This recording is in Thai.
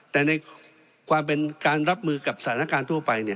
แต่ในความเป็นการรับมือกับสถานการณ์ทั่วไป